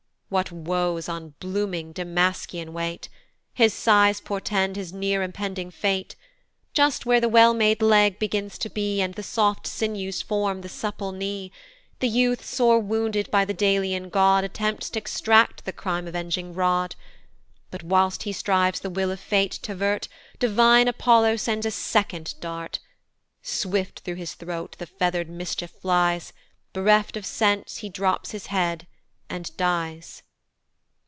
What woes on blooming Damasichon wait! His sighs portend his near impending fate. Just where the well made leg begins to be, And the soft sinews form the supple knee, The youth sore wounded by the Delian god Attempts t' extract the crime avenging rod, But, whilst he strives the will of fate t' avert, Divine Apollo sends a second dart; Swift thro' his throat the feather'd mischief flies, Bereft of sense, he drops his head, and dies.